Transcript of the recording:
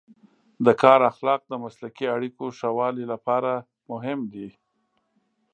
د کار اخلاق د مسلکي اړیکو ښه والي لپاره مهم دی.